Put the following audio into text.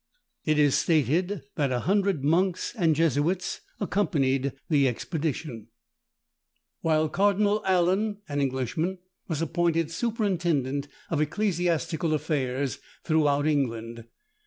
It is stated that a hundred Monks and Jesuits accompanied the expedition; while Cardinal Allen, an Englishman, was appointed superintendent of ecclesiastical affairs throughout England.